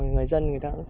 người dân người ta cũng